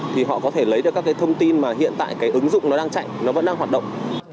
thì họ có thể lấy được các cái thông tin mà hiện tại cái ứng dụng nó đang chạy nó vẫn đang hoạt động